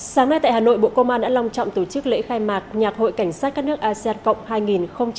sáng nay tại hà nội bộ công an đã long trọng tổ chức lễ khai mạc nhạc hội cảnh sát các nước asean cộng hai nghìn hai mươi